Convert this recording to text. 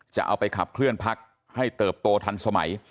จะเอาไปขับเคลื่อนพักให้เติบโตทันสมัย